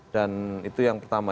dan itu yang pertama